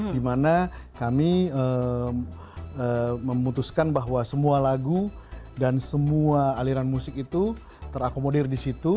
dimana kami memutuskan bahwa semua lagu dan semua aliran musik itu terakomodir di situ